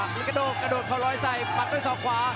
ลิคาโดกระโดดเขาร้อยใส่มัดด้วยสองขวา